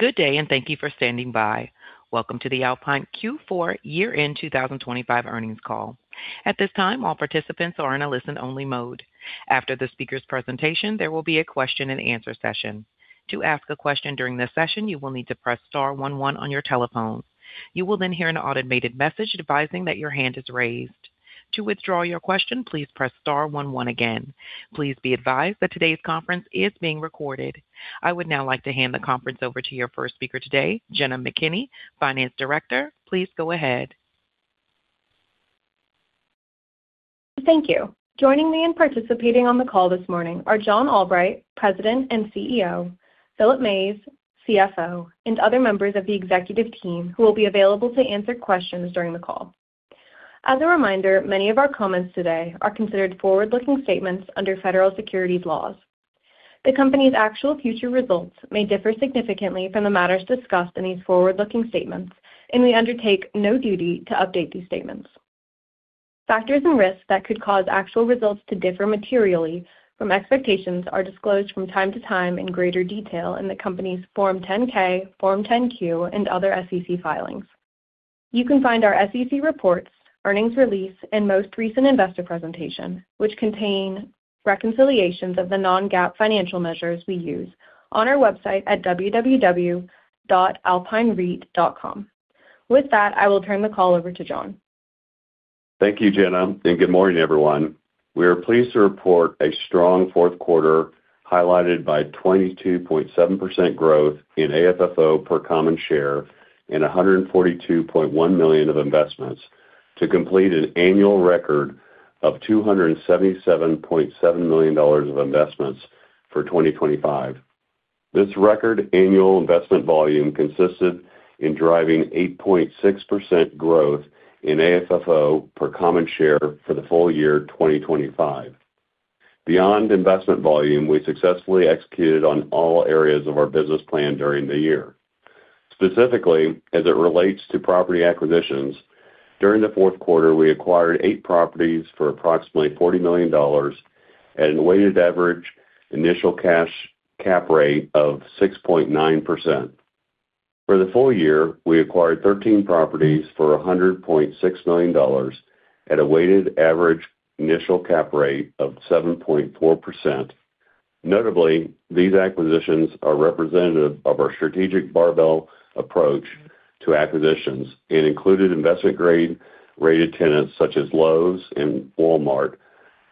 Good day, and thank you for standing by. Welcome to the Alpine Q4 Year End 2025 Earnings Call. At this time, all participants are in a listen-only mode. After the speaker's presentation, there will be a question-and-answer session. To ask a question during this session, you will need to press star one one on your telephone. You will then hear an automated message advising that your hand is raised. To withdraw your question, please press star one one again. Please be advised that today's conference is being recorded. I would now like to hand the conference over to your first speaker today, Jenna McKinney, Finance Director. Please go ahead. Thank you. Joining me in participating on the call this morning are John Albright, President and CEO, Philip Mays, CFO, and other members of the executive team, who will be available to answer questions during the call. As a reminder, many of our comments today are considered forward-looking statements under federal securities laws. The company's actual future results may differ significantly from the matters discussed in these forward-looking statements, and we undertake no duty to update these statements. Factors and risks that could cause actual results to differ materially from expectations are disclosed from time to time in greater detail in the company's Form 10-K, Form 10-Q, and other SEC filings. You can find our SEC reports, earnings release, and most recent investor presentation, which contain reconciliations of the non-GAAP financial measures we use on our website at www.alpinereit.com. With that, I will turn the call over to John. Thank you, Jenna, and good morning, everyone. We are pleased to report a strong fourth quarter, highlighted by 22.7% growth in AFFO per common share and $142.1 million of investments to complete an annual record of $277.7 million of investments for 2025. This record annual investment volume consisted in driving 8.6% growth in AFFO per common share for the full year 2025. Beyond investment volume, we successfully executed on all areas of our business plan during the year. Specifically, as it relates to property acquisitions, during the fourth quarter, we acquired 8 properties for approximately $40 million at a weighted average initial cash cap rate of 6.9%. For the full year, we acquired 13 properties for $100.6 million at a weighted average initial cap rate of 7.4%. Notably, these acquisitions are representative of our strategic barbell approach to acquisitions and included investment-grade rated tenants such as Lowe's and Walmart,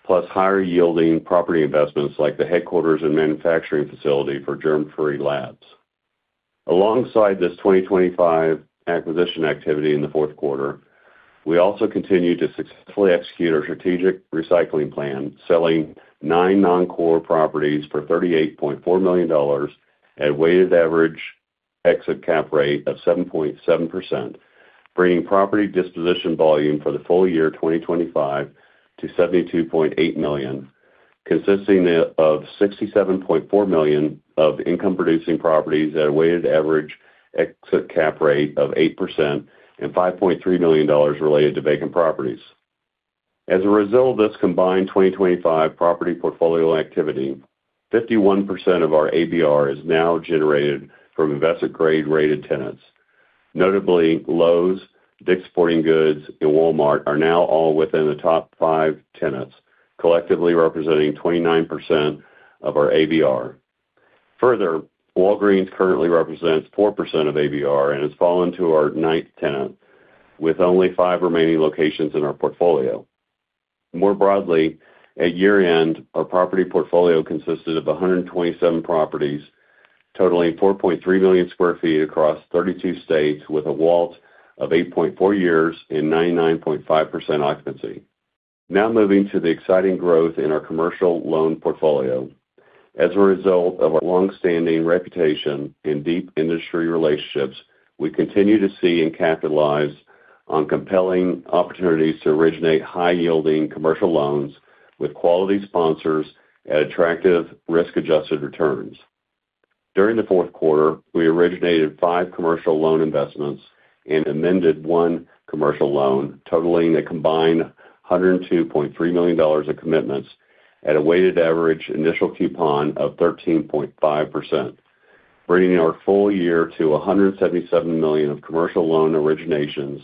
plus higher-yielding property investments like the headquarters and manufacturing facility for Germfree. Alongside this 2025 acquisition activity in the fourth quarter, we also continued to successfully execute our strategic recycling plan, selling 9 noncore properties for $38.4 million at a weighted average exit cap rate of 7.7%, bringing property disposition volume for the full year 2025 to $72.8 million, consisting of $67.4 million of income-producing properties at a weighted average exit cap rate of 8% and $5.3 million related to vacant properties. As a result of this combined 2025 property portfolio activity, 51% of our ABR is now generated from investment-grade rated tenants. Notably, Lowe's, Dick's Sporting Goods, and Walmart are now all within the top five tenants, collectively representing 29% of our ABR. Further, Walgreens currently represents 4% of ABR and has fallen to our ninth tenant, with only five remaining locations in our portfolio. More broadly, at year-end, our property portfolio consisted of 127 properties, totaling 4.3 million sq ft across 32 states, with a WALT of 8.4 years and 99.5% occupancy. Now moving to the exciting growth in our commercial loan portfolio. As a result of our long-standing reputation and deep industry relationships, we continue to see and capitalize on compelling opportunities to originate high-yielding commercial loans with quality sponsors at attractive risk-adjusted returns. During the fourth quarter, we originated five commercial loan investments and amended one commercial loan, totaling a combined $102.3 million of commitments at a weighted average initial coupon of 13.5%, bringing our full year to $177 million of commercial loan originations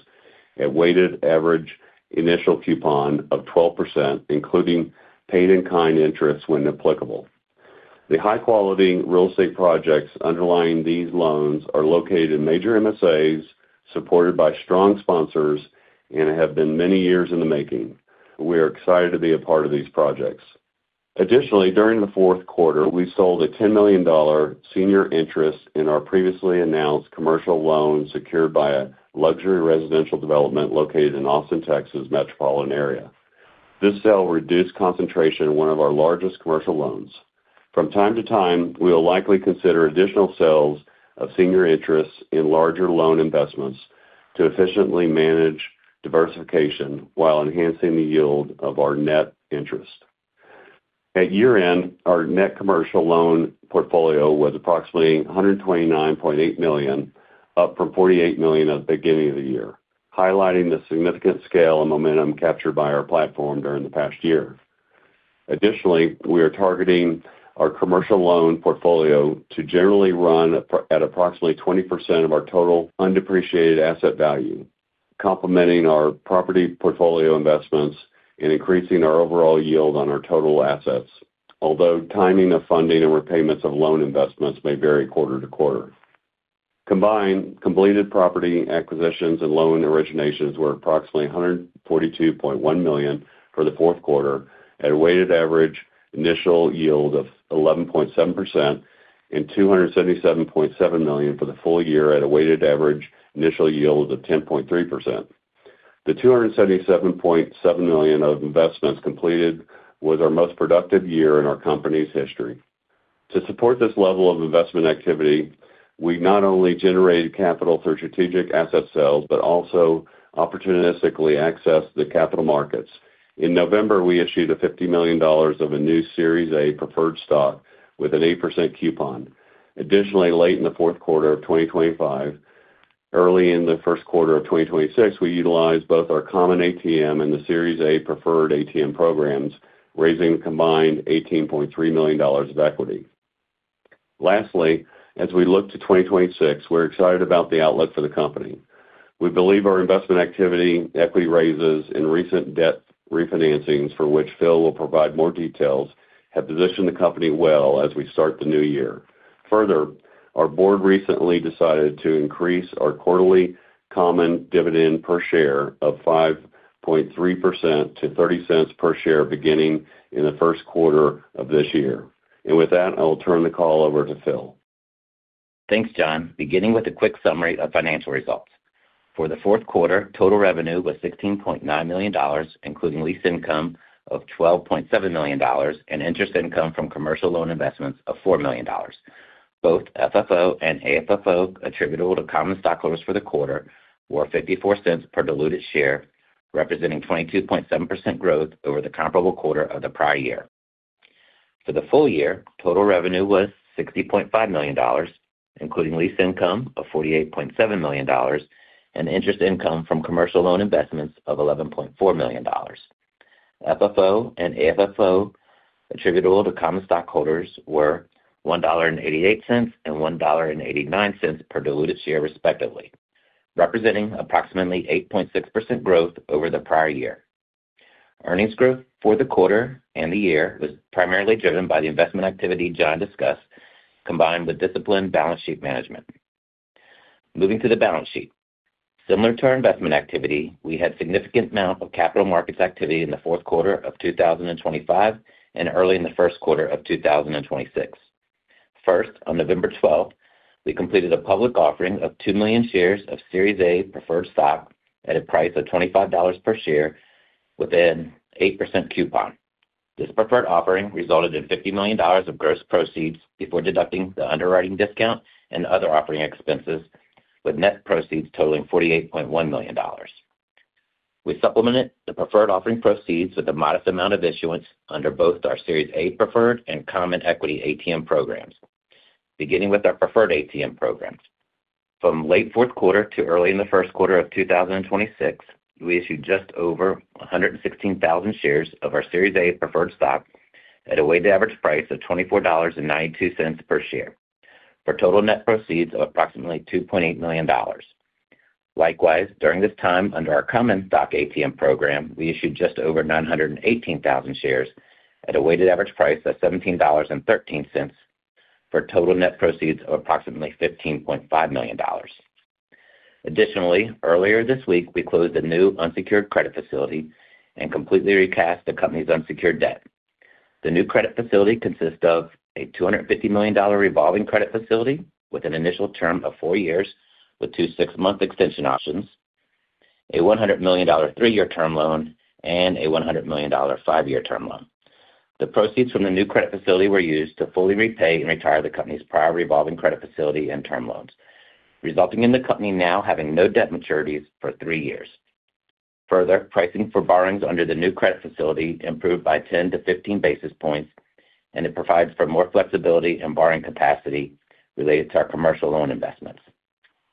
at weighted average initial coupon of 12%, including paid-in-kind interest when applicable. The high-quality real estate projects underlying these loans are located in major MSAs, supported by strong sponsors, and have been many years in the making. We are excited to be a part of these projects. Additionally, during the fourth quarter, we sold a $10 million senior interest in our previously announced commercial loan, secured by a luxury residential development located in Austin, Texas, metropolitan area. This sale reduced concentration in one of our largest commercial loans. From time to time, we will likely consider additional sales of senior interests in larger loan investments to efficiently manage diversification while enhancing the yield of our net interest. At year-end, our net commercial loan portfolio was approximately $129.8 million, up from $48 million at the beginning of the year, highlighting the significant scale and momentum captured by our platform during the past year. Additionally, we are targeting our commercial loan portfolio to generally run at approximately 20% of our total undepreciated asset value, complementing our property portfolio investments and increasing our overall yield on our total assets. Although timing of funding and repayments of loan investments may vary quarter to quarter. Combined, completed property acquisitions and loan originations were approximately $142.1 million for the fourth quarter, at a weighted average initial yield of 11.7%, and $277.7 million for the full year at a weighted average initial yield of 10.3%. The $277.7 million of investments completed was our most productive year in our company's history. To support this level of investment activity, we not only generated capital through strategic asset sales, but also opportunistically accessed the capital markets. In November, we issued $50 million of a new Series A Preferred Stock with an 8% coupon. Additionally, late in the fourth quarter of 2025, early in the first quarter of 2026, we utilized both our common ATM and the Series A Preferred ATM programs, raising combined $18.3 million of equity. Lastly, as we look to 2026, we're excited about the outlook for the company. We believe our investment activity, equity raises, and recent debt refinancings, for which Phil will provide more details, have positioned the company well as we start the new year. Further, our board recently decided to increase our quarterly common dividend per share of 5.3% to $0.30 per share beginning in the first quarter of this year. And with that, I will turn the call over to Phil. Thanks, John. Beginning with a quick summary of financial results. For the fourth quarter, total revenue was $16.9 million, including lease income of $12.7 million, and interest income from commercial loan investments of $4 million. Both FFO and AFFO attributable to common stockholders for the quarter were $0.54 per diluted share, representing 22.7% growth over the comparable quarter of the prior year. For the full year, total revenue was $60.5 million, including lease income of $48.7 million, and interest income from commercial loan investments of $11.4 million. FFO and AFFO attributable to common stockholders were $1.88 and $1.89 per diluted share, respectively, representing approximately 8.6% growth over the prior year. Earnings growth for the quarter and the year was primarily driven by the investment activity John discussed, combined with disciplined balance sheet management. Moving to the balance sheet. Similar to our investment activity, we had significant amount of capital markets activity in the fourth quarter of 2025 and early in the first quarter of 2026. First, on November 12, we completed a public offering of 2 million shares of Series A preferred stock at a price of $25 per share with an 8% coupon. This preferred offering resulted in $50 million of gross proceeds before deducting the underwriting discount and other offering expenses, with net proceeds totaling $48.1 million. We supplemented the preferred offering proceeds with a modest amount of issuance under both our Series A preferred and common equity ATM programs. Beginning with our preferred ATM programs. From late fourth quarter to early in the first quarter of 2026, we issued just over 116,000 shares of our Series A preferred stock at a weighted average price of $24.92 per share, for total net proceeds of approximately $2.8 million. Likewise, during this time, under our common stock ATM program, we issued just over 918,000 shares at a weighted average price of $17.13, for total net proceeds of approximately $15.5 million. Additionally, earlier this week, we closed a new unsecured credit facility and completely recast the company's unsecured debt. The new credit facility consists of a $250 million revolving credit facility with an initial term of 4 years, with two 6-month extension options, a $100 million three-year term loan, and a $100 million five-year term loan. The proceeds from the new credit facility were used to fully repay and retire the company's prior revolving credit facility and term loans, resulting in the company now having no debt maturities for three years. Further, pricing for borrowings under the new credit facility improved by 10-15 basis points, and it provides for more flexibility and borrowing capacity related to our commercial loan investments.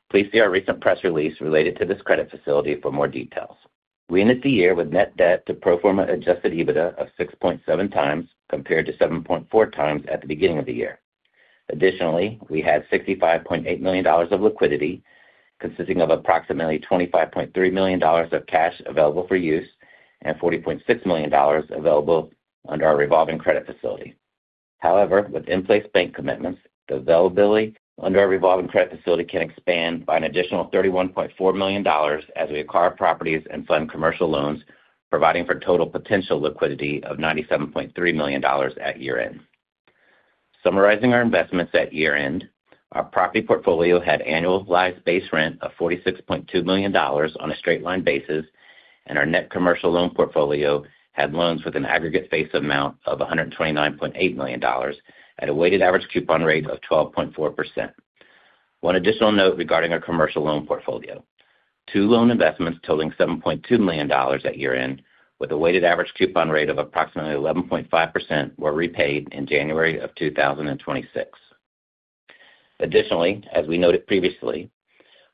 Please see our recent press release related to this credit facility for more details. We ended the year with net debt to pro forma Adjusted EBITDA of 6.7 times, compared to 7.4 times at the beginning of the year. Additionally, we had $65.8 million of liquidity, consisting of approximately $25.3 million of cash available for use and $40.6 million available under our revolving credit facility. However, with in-place bank commitments, the availability under our revolving credit facility can expand by an additional $31.4 million as we acquire properties and fund commercial loans, providing for total potential liquidity of $97.3 million at year-end. Summarizing our investments at year-end, our property portfolio had annualized base rent of $46.2 million on a straight-line basis, and our net commercial loan portfolio had loans with an aggregate face amount of $129.8 million at a weighted average coupon rate of 12.4%. One additional note regarding our commercial loan portfolio. Two loan investments totaling $7.2 million at year-end, with a weighted average coupon rate of approximately 11.5%, were repaid in January of 2026. Additionally, as we noted previously,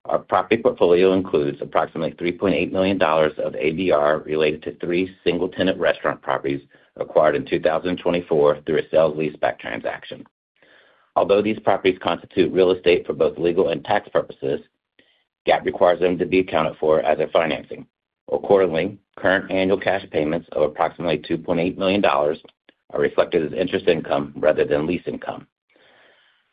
our property portfolio includes approximately $3.8 million of ABR related to three single-tenant restaurant properties acquired in 2024 through a sale-leaseback transaction. Although these properties constitute real estate for both legal and tax purposes, GAAP requires them to be accounted for as a financing. Accordingly, current annual cash payments of approximately $2.8 million are reflected as interest income rather than lease income.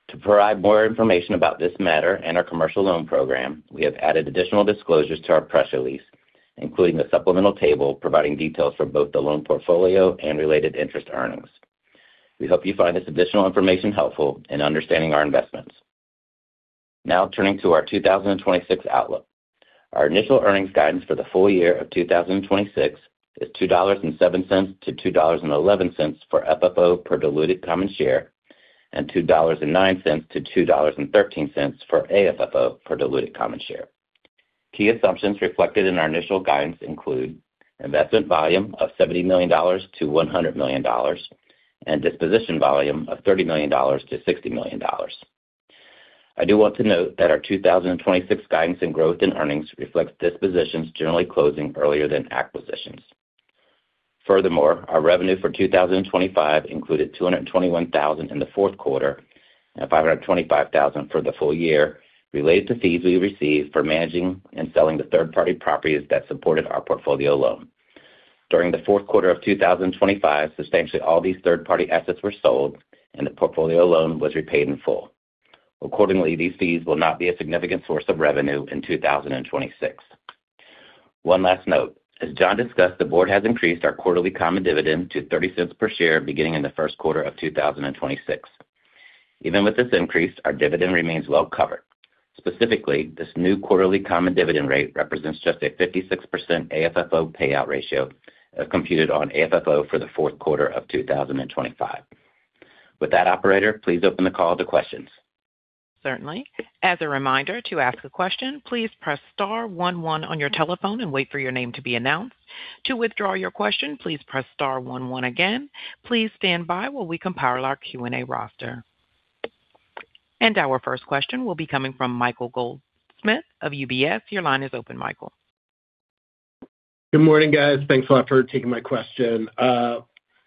To provide more information about this matter and our commercial loan program, we have added additional disclosures to our press release, including the supplemental table, providing details for both the loan portfolio and related interest earnings. We hope you find this additional information helpful in understanding our investments. Now turning to our 2026 outlook. Our initial earnings guidance for the full year of 2026 is $2.07-$2.11 for FFO per diluted common share, and $2.09-$2.13 for AFFO per diluted common share. Key assumptions reflected in our initial guidance include investment volume of $70 million-$100 million, and disposition volume of $30 million-$60 million. I do want to note that our 2026 guidance and growth in earnings reflects dispositions generally closing earlier than acquisitions. Furthermore, our revenue for 2025 included $221,000 in the fourth quarter and $525,000 for the full year, related to fees we received for managing and selling the third-party properties that supported our portfolio loan. During the fourth quarter of 2025, substantially all these third-party assets were sold, and the portfolio loan was repaid in full. Accordingly, these fees will not be a significant source of revenue in 2026. One last note. As John discussed, the board has increased our quarterly common dividend to $0.30 per share, beginning in the first quarter of 2026. Even with this increase, our dividend remains well covered. Specifically, this new quarterly common dividend rate represents just a 56% AFFO payout ratio, as computed on AFFO for the fourth quarter of 2025. With that, operator, please open the call to questions. Certainly. As a reminder, to ask a question, please press star one one on your telephone and wait for your name to be announced. To withdraw your question, please press star one one again. Please stand by while we compile our Q&A roster. Our first question will be coming from Michael Goldsmith of UBS. Your line is open, Michael. Good morning, guys. Thanks a lot for taking my question.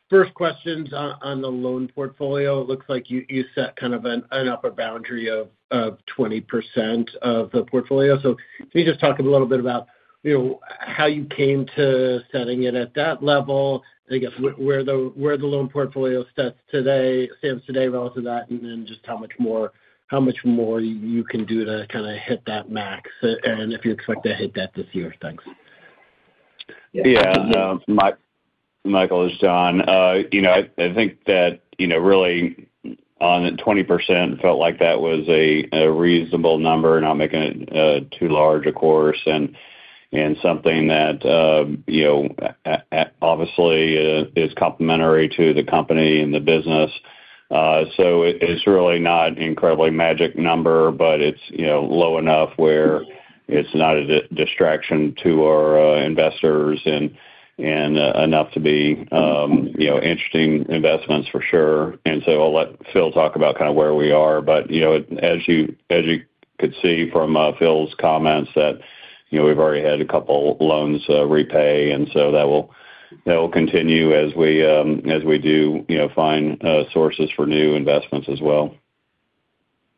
First, questions on the loan portfolio. It looks like you set kind of an upper boundary of 20% of the portfolio. So can you just talk a little bit about, you know, how you came to setting it at that level? I guess, where the loan portfolio stands today relative to that, and then just how much more you can do to kind of hit that max, and if you expect to hit that this year? Thanks. Yeah, Michael, it's John. You know, I think that, you know, really on 20% felt like that was a reasonable number, not making it too large, of course, and something that, you know, obviously, is complementary to the company and the business. So it, it's really not an incredibly magic number, but it's, you know, low enough where it's not a distraction to our investors and enough to be, you know, interesting investments for sure. And so I'll let Phil talk about kind of where we are. But, you know, as you, as you could see from Phil's comments, that, you know, we've already had a couple loans repay, and so that will, that will continue as we, as we do, you know, find sources for new investments as well.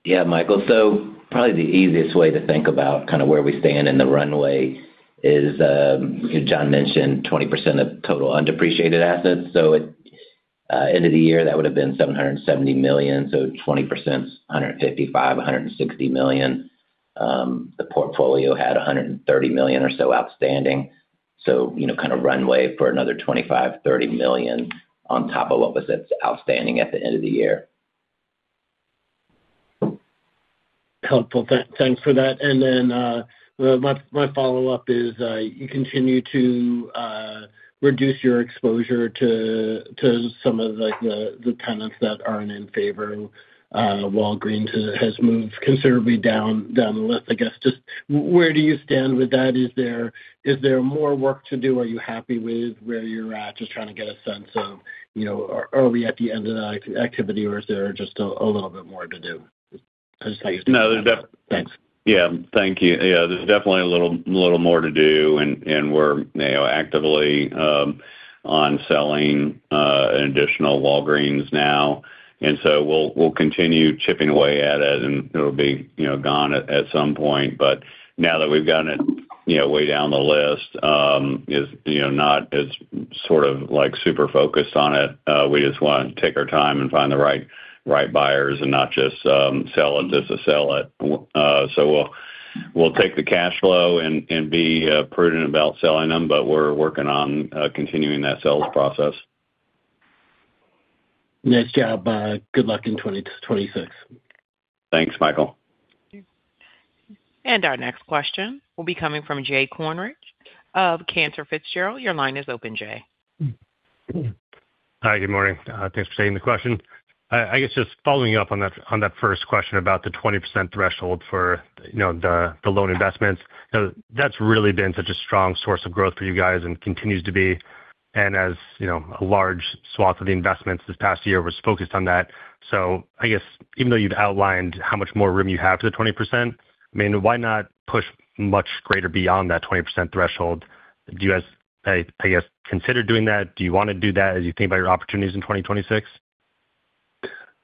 Yeah, Michael, so probably the easiest way to think about kind of where we stand in the runway is, as John mentioned, 20% of total undepreciated assets. So it, end of the year, that would have been $770 million, so 20%, $155 million-$160 million. The portfolio had $130 million or so outstanding. So, you know, kind of runway for another $25 million -$30 million on top of what was outstanding at the end of the year. Helpful. Thanks for that. And then my follow-up is, you continue to reduce your exposure to some of, like, the tenants that aren't in favor. Walgreens has moved considerably down the list. I guess, just where do you stand with that? Is there more work to do? Are you happy with where you're at? Just trying to get a sense of, you know, early at the end of that activity, or is there just a little bit more to do? Just how you- No, there def- Thanks. Yeah. Thank you. Yeah, there's definitely a little more to do, and we're now actively on selling an additional Walgreens now. And so we'll continue chipping away at it, and it'll be, you know, gone at some point. But now that we've gotten it, you know, way down the list, is, you know, not as sort of, like, super focused on it. We just want to take our time and find the right buyers and not just sell it just to sell it. So we'll take the cash flow and be prudent about selling them, but we're working on continuing that sales process. Nice job. Good luck in 2026. Thanks, Michael. Our next question will be coming from Jay Kornreich of Cantor Fitzgerald. Your line is open, Jay. Hi, good morning. Thanks for taking the question. I guess just following up on that first question about the 20% threshold for, you know, the loan investments. So that's really been such a strong source of growth for you guys and continues to be... and as, you know, a large swath of the investments this past year was focused on that. So I guess even though you've outlined how much more room you have to the 20%, I mean, why not push much greater beyond that 20% threshold? Do you guys, I guess, consider doing that? Do you wanna do that as you think about your opportunities in 2026?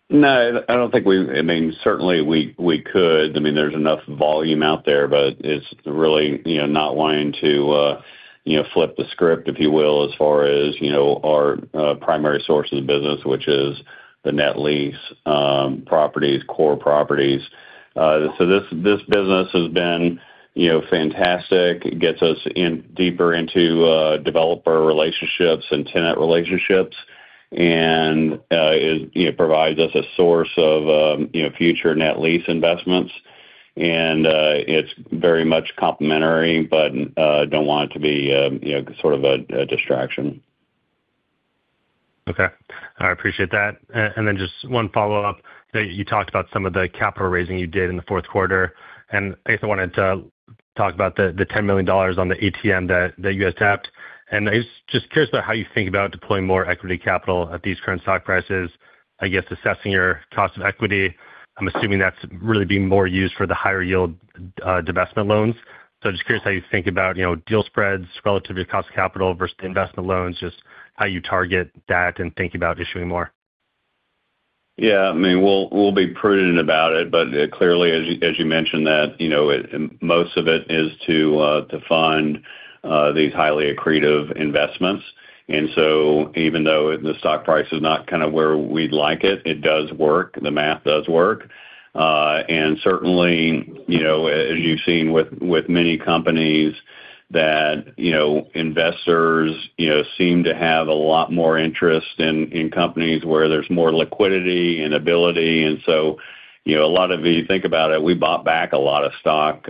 No, I don't think we. I mean, certainly, we could. I mean, there's enough volume out there, but it's really, you know, not wanting to, you know, flip the script, if you will, as far as, you know, our primary source of the business, which is the net lease properties, core properties. So this business has been, you know, fantastic. It gets us in deeper into developer relationships and tenant relationships, and it provides us a source of, you know, future net lease investments. And it's very much complementary, but don't want it to be, you know, sort of a distraction. Okay. I appreciate that. And then just one follow-up. You talked about some of the capital raising you did in the fourth quarter, and I guess I wanted to talk about the $10 million on the ATM that you guys tapped. And I was just curious about how you think about deploying more equity capital at these current stock prices, I guess, assessing your cost of equity. I'm assuming that's really being more used for the higher yield divestment loans. So just curious how you think about, you know, deal spreads relative to your cost of capital versus the investment loans, just how you target that and think about issuing more. Yeah, I mean, we'll be prudent about it, but clearly, as you mentioned that, you know, it most of it is to fund these highly accretive investments. And so even though the stock price is not kind of where we'd like it, it does work. The math does work. And certainly, you know, as you've seen with many companies that, you know, investors, you know, seem to have a lot more interest in companies where there's more liquidity and ability. And so, you know, a lot of you think about it, we bought back a lot of stock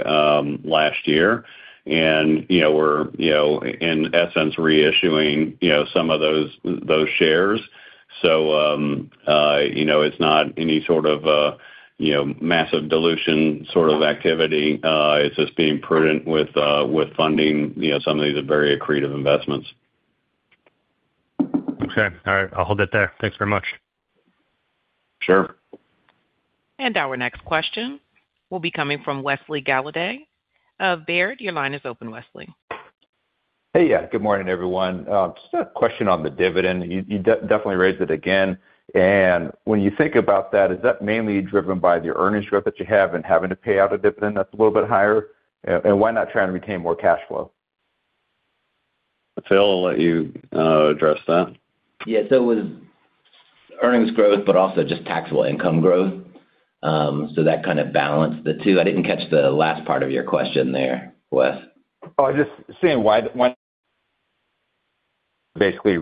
last year, and, you know, we're, you know, in essence, reissuing, you know, some of those shares. So, you know, it's not any sort of a, you know, massive dilution sort of activity. It's just being prudent with funding, you know, some of these are very accretive investments. Okay. All right, I'll hold it there. Thanks very much. Sure. Our next question will be coming from Wesley Golladay of Baird. Your line is open, Wesley. Hey. Yeah, good morning, everyone. Just a question on the dividend. You definitely raised it again, and when you think about that, is that mainly driven by the earnings growth that you have and having to pay out a dividend that's a little bit higher? And why not try and retain more cash flow? Phil, I'll let you address that. Yeah, so it was earnings growth, but also just taxable income growth. So that kind of balanced the two. I didn't catch the last part of your question there, Wes. Oh, just seeing why basically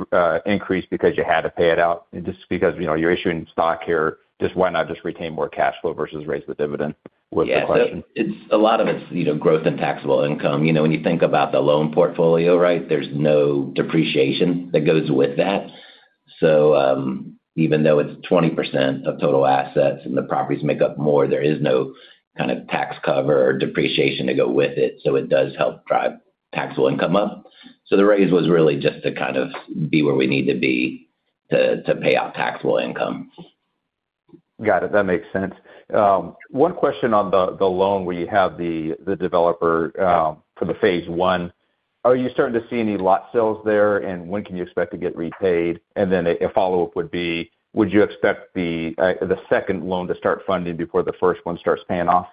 increased because you had to pay it out, just because, you know, you're issuing stock here. Just why not just retain more cash flow versus raise the dividend, was the question. Yeah, it's a lot of it's, you know, growth and taxable income. You know, when you think about the loan portfolio, right, there's no depreciation that goes with that. So, even though it's 20% of total assets and the properties make up more, there is no kind of tax cover or depreciation to go with it, so it does help drive taxable income up. So the raise was really just to kind of be where we need to be to pay out taxable income. Got it. That makes sense. One question on the loan where you have the developer for the phase I. Are you starting to see any lot sales there, and when can you expect to get repaid? And then a follow-up would be: Would you expect the second loan to start funding before the first one starts paying off?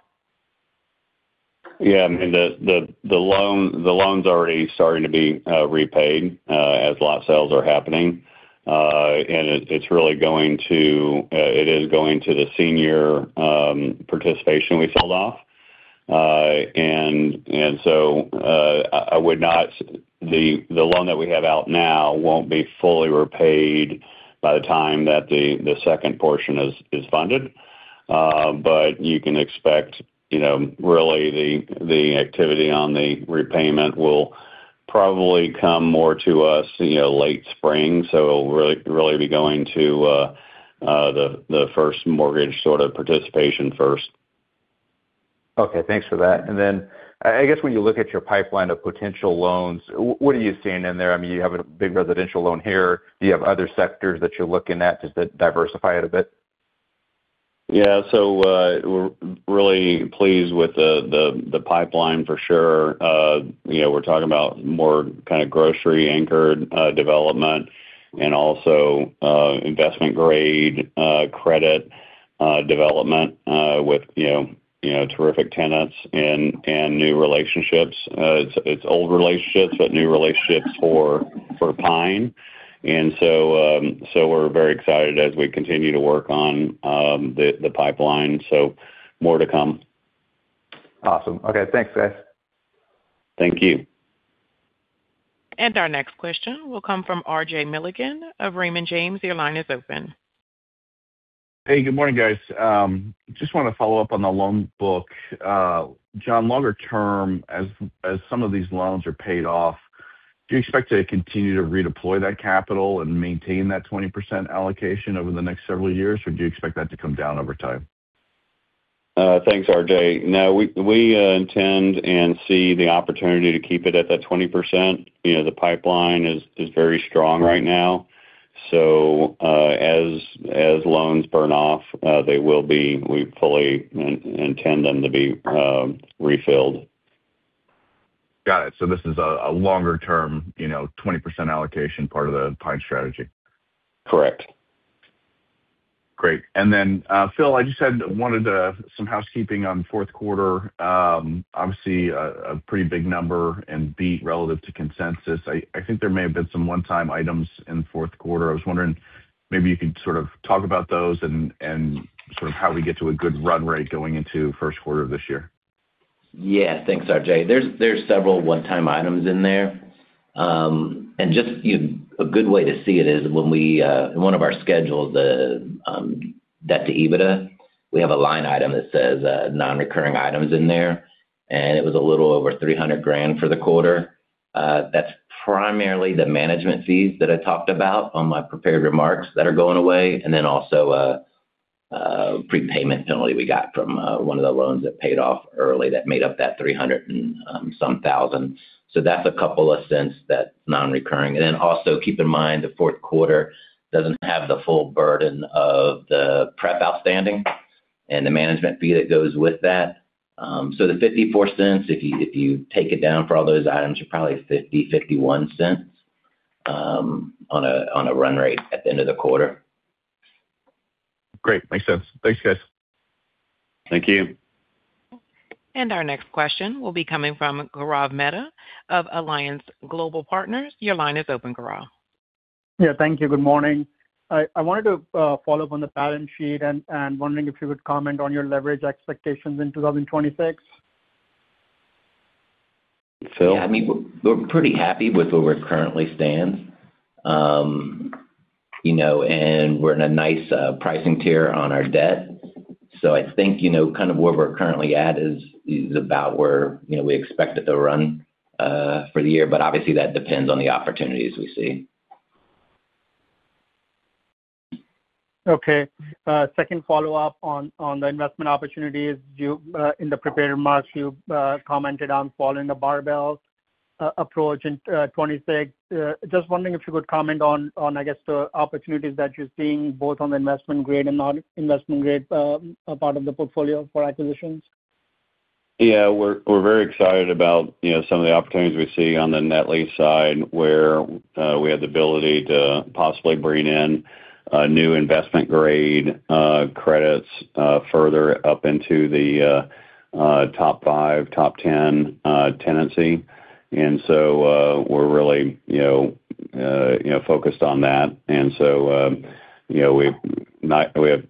Yeah, I mean, the loan's already starting to be repaid as lot sales are happening. And it's really going to the senior participation we sold off. And so, I would not-- the loan that we have out now won't be fully repaid by the time that the second portion is funded. But you can expect, you know, really the activity on the repayment will probably come more to us, you know, late spring, so it'll really be going to the first mortgage sort of participation first. Okay, thanks for that. And then I guess when you look at your pipeline of potential loans, what are you seeing in there? I mean, you have a big residential loan here. Do you have other sectors that you're looking at just to diversify it a bit? Yeah. So, we're really pleased with the pipeline, for sure. You know, we're talking about more kind of grocery-anchored development and also investment-grade credit development with you know terrific tenants and new relationships. It's old relationships, but new relationships for Pine. And so, we're very excited as we continue to work on the pipeline, so more to come. Awesome. Okay. Thanks, guys. Thank you. Our next question will come from RJ Milligan of Raymond James. Your line is open. Hey, good morning, guys. Just want to follow up on the loan book. John, longer term, as some of these loans are paid off, do you expect to continue to redeploy that capital and maintain that 20% allocation over the next several years, or do you expect that to come down over time? Thanks, RJ. No, we intend and see the opportunity to keep it at that 20%. You know, the pipeline is very strong right now. So, as loans burn off, they will be. We fully intend them to be refilled. Got it. So this is a longer term, you know, 20% allocation, part of the Pine strategy? Correct. Great. And then, Phil, I just wanted some housekeeping on fourth quarter. Obviously, a pretty big number and beat relative to consensus. I, I think there may have been some one-time items in the fourth quarter. I was wondering, maybe you could sort of talk about those and sort of how we get to a good run rate going into first quarter of this year. Yeah, thanks, RJ. There's several one-time items in there. And just, you know, a good way to see it is when we, in one of our schedules, the debt to EBITDA, we have a line item that says non-recurring items in there, and it was a little over $300,000 for the quarter. That's primarily the management fees that I talked about on my prepared remarks that are going away, and then also a prepayment penalty we got from one of the loans that paid off early that made up that $300,000 and some thousand. So that's a couple of cents that's non-recurring. And then also, keep in mind, the fourth quarter doesn't have the full burden of the prep outstanding and the management fee that goes with that. So the $0.54, if you take it down for all those items, are probably $0.50, $0.51 on a run rate at the end of the quarter. Great. Makes sense. Thanks, guys. Thank you. Our next question will be coming from Gaurav Mehta of Alliance Global Partners. Your line is open, Gaurav. Yeah, thank you. Good morning. I wanted to follow up on the balance sheet and wondering if you would comment on your leverage expectations in 2026. Phil? Yeah, I mean, we're pretty happy with where we're currently standing. You know, and we're in a nice pricing tier on our debt. So I think, you know, kind of where we're currently at is about where, you know, we expect it to run for the year, but obviously, that depends on the opportunities we see. Okay. Second follow-up on the investment opportunities. You in the prepared remarks, you commented on following the barbell approach in 2026. Just wondering if you could comment on, I guess, the opportunities that you're seeing, both on the investment-grade and non-investment-grade part of the portfolio for acquisitions. Yeah. We're very excited about, you know, some of the opportunities we see on the net lease side, where we have the ability to possibly bring in new investment-grade credits further up into the top five, top 10 tenancy. And so, we're really, you know, focused on that. And so, you know, we have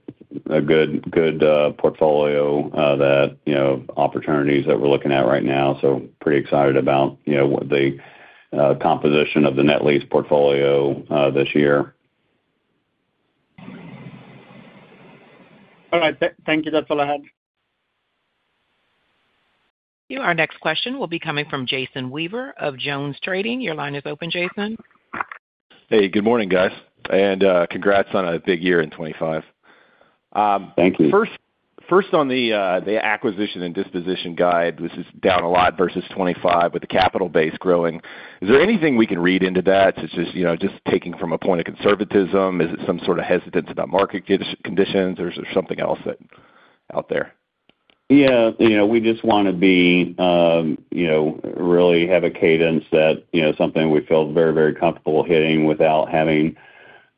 a good portfolio that, you know, opportunities that we're looking at right now, so pretty excited about, you know, what the composition of the net lease portfolio this year. All right. Thank you. That's all I had. Our next question will be coming from Jason Weaver of JonesTrading. Your line is open, Jason. Hey, good morning, guys, and congrats on a big year in 2025. Thank you. First, on the acquisition and disposition guide, this is down a lot versus 25, with the capital base growing. Is there anything we can read into that? It's just, you know, just taking from a point of conservatism. Is it some sort of hesitance about market conditions, or is there something else that out there? Yeah, you know, we just want to be, you know, really have a cadence that, you know, something we feel very, very comfortable hitting without having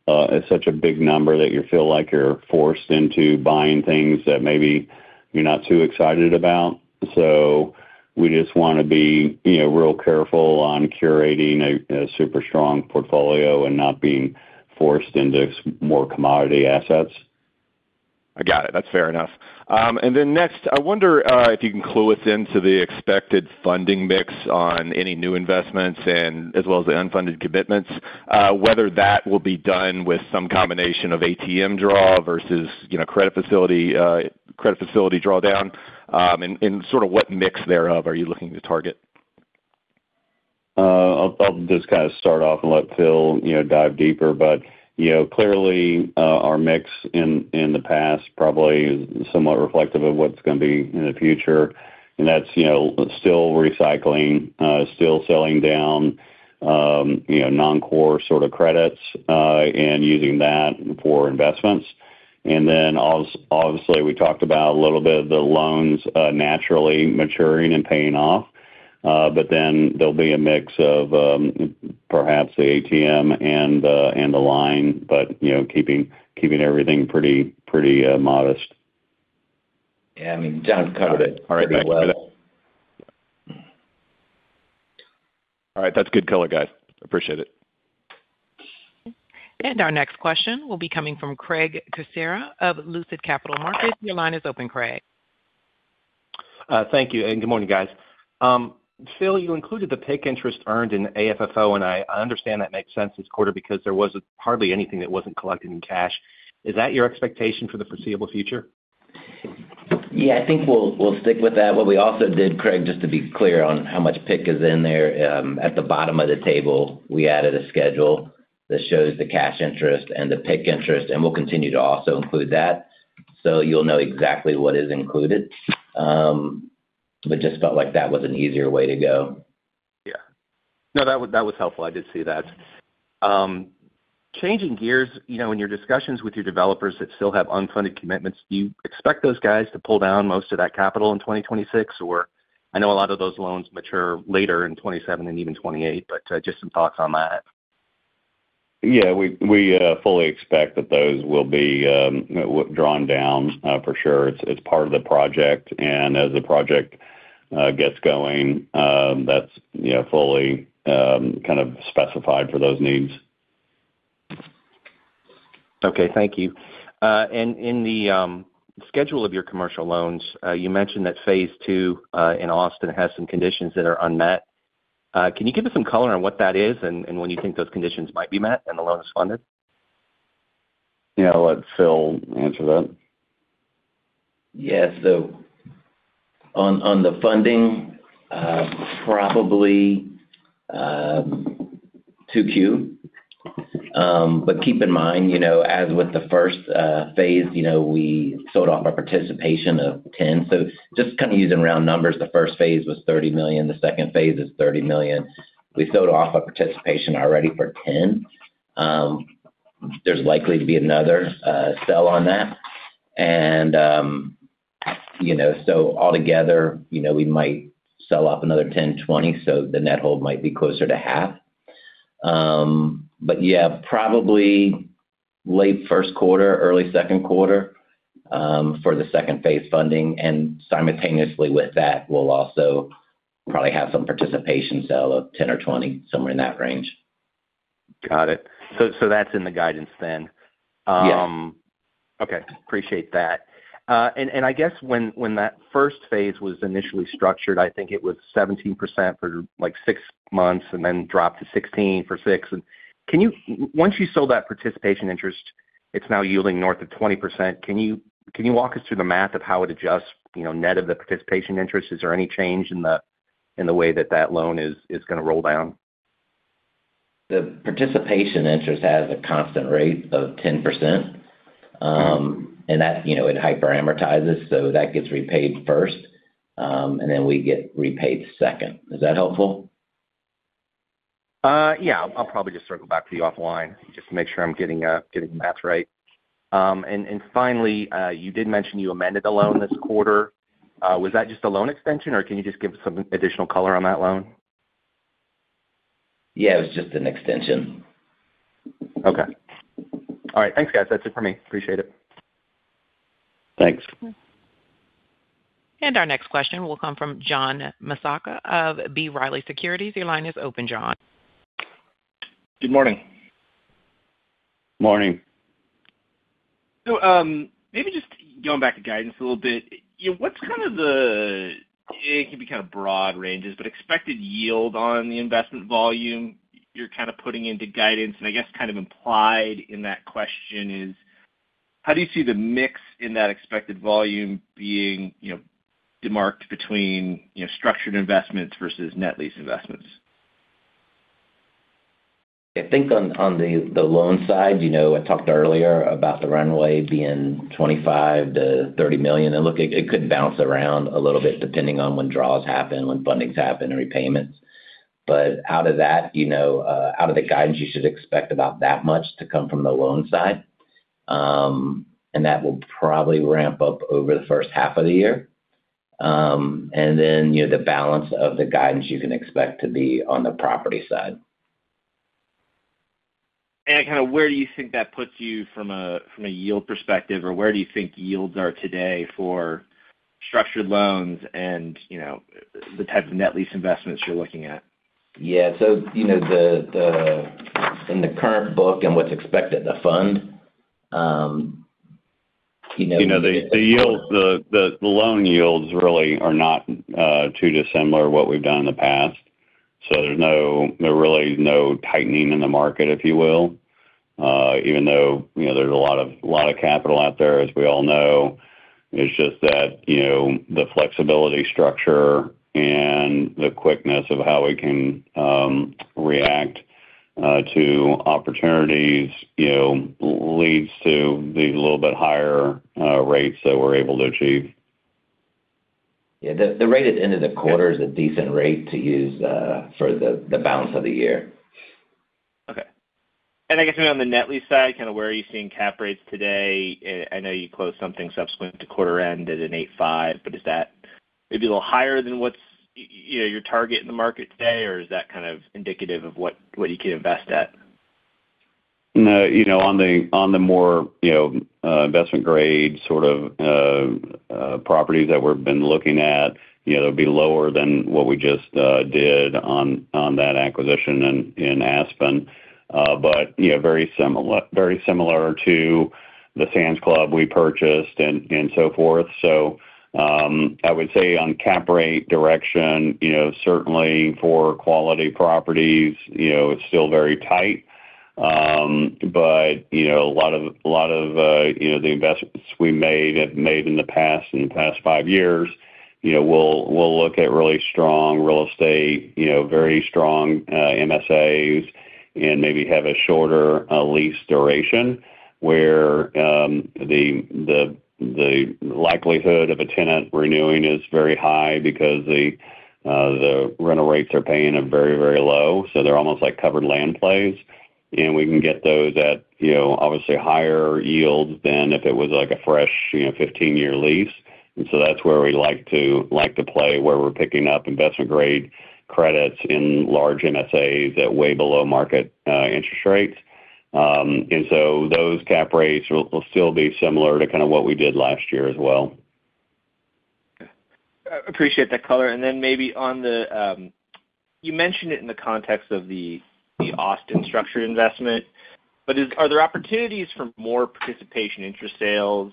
such a big number that you feel like you're forced into buying things that maybe you're not too excited about. So we just wanna be, you know, real careful on curating a super strong portfolio and not being forced into some more commodity assets. I got it. That's fair enough. And then next, I wonder if you can clue us into the expected funding mix on any new investments and as well as the unfunded commitments, whether that will be done with some combination of ATM draw versus, you know, credit facility, credit facility drawdown, and and sort of what mix thereof are you looking to target? I'll just kind of start off and let Phil, you know, dive deeper, but, you know, clearly, our mix in the past probably is somewhat reflective of what's going to be in the future. And that's, you know, still recycling, still selling down, you know, non-core sort of credits, and using that for investments. And then obviously, we talked about a little bit of the loans, naturally maturing and paying off. But then there'll be a mix of, perhaps the ATM and the line, but, you know, keeping everything pretty modest. Yeah, I mean, John covered it pretty well. All right. That's good color, guys. Appreciate it. Our next question will be coming from Craig Kucera of Lucid Capital Markets. Your line is open, Craig. Thank you, and good morning, guys. Phil, you included the PIK interest earned in AFFO, and I understand that makes sense this quarter because there was hardly anything that wasn't collected in cash. Is that your expectation for the foreseeable future? Yeah, I think we'll stick with that. What we also did, Craig, just to be clear on how much PIK is in there, at the bottom of the table, we added a schedule that shows the cash interest and the PIK interest, and we'll continue to also include that. So you'll know exactly what is included. But just felt like that was an easier way to go. Yeah. No, that was, that was helpful. I did see that. Changing gears, you know, in your discussions with your developers that still have unfunded commitments, do you expect those guys to pull down most of that capital in 2026? Or I know a lot of those loans mature later in 2027 and even 2028, but, just some thoughts on that. Yeah, we fully expect that those will be drawn down for sure. It's part of the project, and as the project gets going, that's, you know, fully kind of specified for those needs. Okay, thank you. In the schedule of your commercial loans, you mentioned that phase II in Austin has some conditions that are unmet. Can you give us some color on what that is and when you think those conditions might be met and the loan is funded? Yeah, I'll let Phil answer that. Yes. So on the funding, probably Q2. But keep in mind, you know, as with the first phase, you know, we sold off a participation of $10 million. So just kind of using round numbers, the first phase was $30 million, the second phase is $30 million. We sold off a participation already for $10 million. There's likely to be another sell on that. And, you know, so altogether, you know, we might sell off another $10 million-$20 million, so the net hold might be closer to half. But yeah, probably late first quarter, early second quarter, for the second-phase funding, and simultaneously with that, we'll also probably have some participation sale of $10 million or $20 million, somewhere in that range. Got it. So, that's in the guidance then? Yes. Okay, appreciate that. And, and I guess when, when that first phase was initially structured, I think it was 17% for like 6 months and then dropped to 16% for 6. And once you sold that participation interest, it's now yielding north of 20%. Can you, can you walk us through the math of how it adjusts, you know, net of the participation interest? Is there any change in the, in the way that that loan is, is gonna roll down? The participation interest has a constant rate of 10%, and that, you know, it hyper-amortizes, so that gets repaid first, and then we get repaid second. Is that helpful? Yeah. I'll probably just circle back to you offline just to make sure I'm getting the math right. And finally, you did mention you amended the loan this quarter. Was that just a loan extension, or can you just give some additional color on that loan? Yeah, it was just an extension. Okay. All right. Thanks, guys. That's it for me. Appreciate it. Thanks. Our next question will come from John Massocca of B. Riley Securities. Your line is open, John. Good morning. Morning. So, maybe just going back to guidance a little bit. You know, what's kind of the, it can be kind of broad ranges, but expected yield on the investment volume you're kind of putting into guidance, and I guess kind of implied in that question is: how do you see the mix in that expected volume being, you know, demarked between, you know, structured investments versus net lease investments? I think on the loan side, you know, I talked earlier about the runway being $25 million-$30 million, and look, it could bounce around a little bit depending on when draws happen, when fundings happen, and repayments. But out of that, you know, out of the guidance, you should expect about that much to come from the loan side. And that will probably ramp up over the first half of the year. And then, you know, the balance of the guidance you can expect to be on the property side. Kind of where do you think that puts you from a yield perspective? Or where do you think yields are today for structured loans and, you know, the type of net lease investments you're looking at? Yeah, so you know, the in the current book and what's expected to fund, you know- You know, the yields really are not too dissimilar what we've done in the past, so there's no, there really is no tightening in the market, if you will. Even though, you know, there's a lot of, lot of capital out there, as we all know. It's just that, you know, the flexibility structure and the quickness of how we can react to opportunities, you know, leads to the little bit higher rates that we're able to achieve. Yeah, the rate at the end of the quarter is a decent rate to use for the balance of the year. Okay. And I guess on the net lease side, kind of where are you seeing cap rates today? I know you closed something subsequent to quarter end at an 8.5, but is that maybe a little higher than what's, you know, your target in the market today, or is that kind of indicative of what, what you can invest at? No, you know, on the, on the more, you know, investment grade sort of, properties that we've been looking at, you know, they'll be lower than what we just, did on, on that acquisition in, in Aspen. But, you know, very similar, very similar to the Sam's Club we purchased and, and so forth. So, I would say on cap rate direction, you know, certainly for quality properties, you know, it's still very tight. But, you know, a lot of, lot of, you know, the investments we made and made in the past, in the past five years-... You know, we'll look at really strong real estate, you know, very strong MSAs, and maybe have a shorter lease duration, where the likelihood of a tenant renewing is very high because the rental rates they're paying are very, very low, so they're almost like covered land plays. And we can get those at, you know, obviously higher yields than if it was like a fresh, you know, 15-year lease. And so that's where we like to play, where we're picking up investment-grade credits in large MSAs at way below market interest rates. And so those cap rates will still be similar to kind of what we did last year as well. Appreciate that color. And then maybe on the... You mentioned it in the context of the Austin structured investment, but are there opportunities for more participation, interest sales,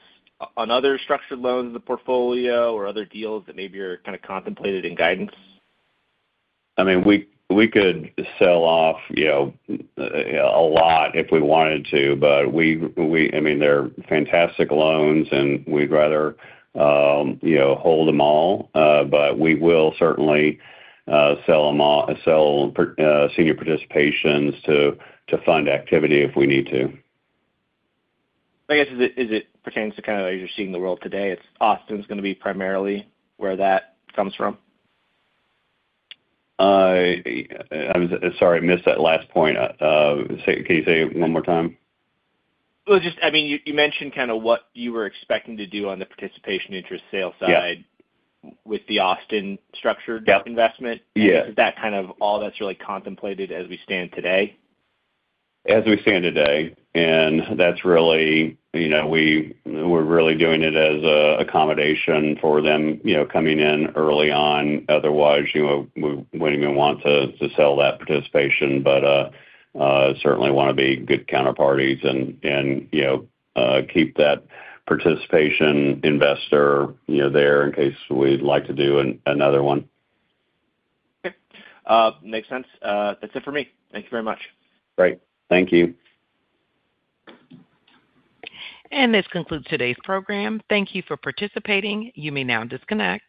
on other structured loans in the portfolio or other deals that maybe are kind of contemplated in guidance? I mean, we could sell off, you know, a lot if we wanted to, but we—I mean, they're fantastic loans, and we'd rather, you know, hold them all. But we will certainly sell senior participations to fund activity if we need to. I guess, as it pertains to kind of as you're seeing the world today, it's Austin's gonna be primarily where that comes from? I'm sorry, I missed that last point. Say, can you say it one more time? Well, just I mean, you mentioned kind of what you were expecting to do on the participation interest sales side- Yeah. with the Austin structured Yeah. -investment. Yeah. Is that kind of all that's really contemplated as we stand today? As we stand today, and that's really, you know, we're really doing it as an accommodation for them, you know, coming in early on. Otherwise, you know, we wouldn't even want to sell that participation, but certainly want to be good counterparties and, you know, keep that participation investor, you know, there in case we'd like to do another one. Okay. Makes sense. That's it for me. Thank you very much. Great. Thank you. This concludes today's program. Thank you for participating. You may now disconnect.